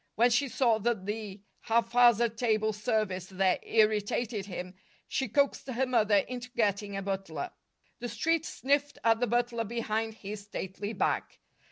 When she saw that the haphazard table service there irritated him, she coaxed her mother into getting a butler. The Street sniffed at the butler behind his stately back.